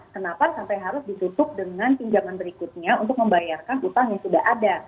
kenapa sampai harus ditutup dengan pinjaman berikutnya untuk membayarkan utang yang sudah ada